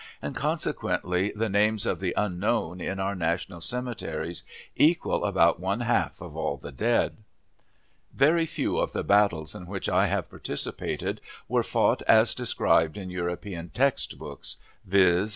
and consequently the names of the "unknown" in our national cemeteries equal about one half of all the dead. Very few of the battles in which I have participated were fought as described in European text books, viz.